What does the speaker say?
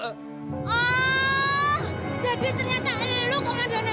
oh jadi ternyata ini lo komandananya